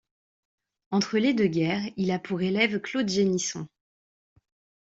Entre les deux guerres, il a pour élève Claude Génisson.